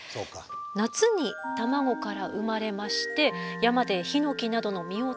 夏に卵から生まれまして山でヒノキなどの実を食べて大きくなります。